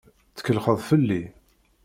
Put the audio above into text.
Tkellxeḍ fell-i.